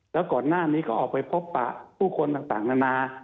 แล้วก่อนหน้านี้ก็ออกไปพบปะผู้คนต่างนานา